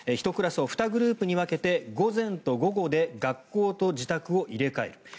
１クラスを２グループに分けて午前と午後で学校と自宅を入れ替える。